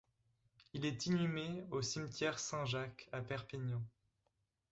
Il est inhumé au Cimetière Saint-Jacques à Perpignan.